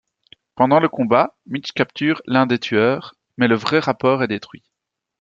Pendant le combat, Mitch capture l'un des tueurs, mais le vrai rapport est détruit.